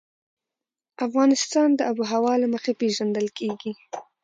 افغانستان د آب وهوا له مخې پېژندل کېږي.